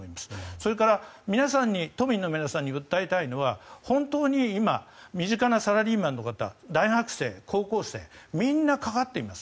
それから都民の皆さんに訴えたいのは本当に今身近なサラリーマンの方大学生、高校生みんな、かかっています。